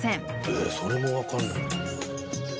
えっそれも分かんない。